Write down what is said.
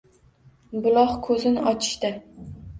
Buloq ko‘zin ochishda